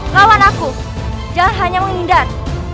lawan aku jangan hanya menghindar